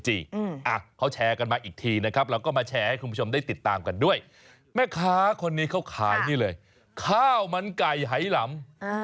โทษให้ดีนะข้าวมันไก่ไหล่ลำ